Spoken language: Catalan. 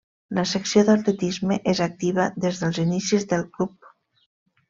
La secció d'atletisme és activa des dels inicis del club.